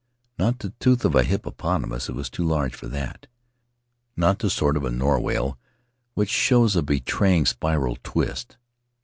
Not the tooth of a hippopotamus — it was too large for that; not the sword of a narwhal, which shows a betraying spiral twist.